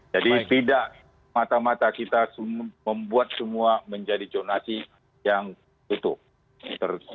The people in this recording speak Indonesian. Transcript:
jadi tidak mata mata kita sesuatu membuat semua menjadi jonasi yang tertutup